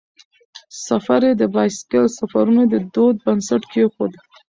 سفر یې د بایسکل سفرونو د دود بنسټ کیښود.